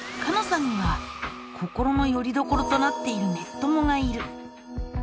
さんには心のよりどころとなっている「ネッ友」がいる。